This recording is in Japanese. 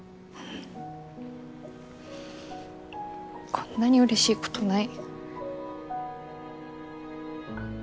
こんなにうれしいことない。